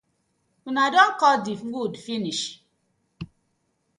Una don kot the wood finish.